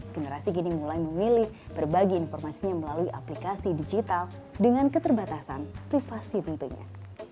generasi kini mulai memilih berbagi informasinya melalui aplikasi digital dengan keterbatasan privasi tentunya